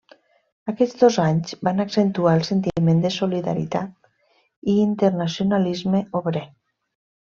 Aquests dos anys van accentuar el sentiment de solidaritat i internacionalisme obrer.